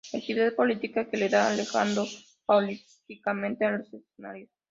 Actividad política que la va alejando paulatinamente de los escenarios.